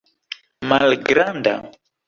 malgranda